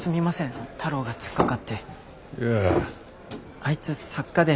あいつ作家で。